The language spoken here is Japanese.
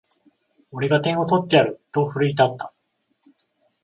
俺が点を取ってやると奮い立った